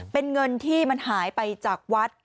เป็นเงินที่มันหายไปจากวัด